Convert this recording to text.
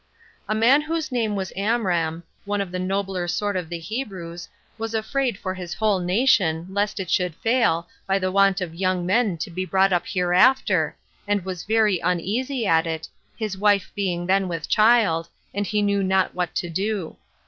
A man whose name was Amram, one of the nobler sort of the Hebrews, was afraid for his whole nation, lest it should fail, by the want of young men to be brought up hereafter, and was very uneasy at it, his wife being then with child, and he knew not what to do.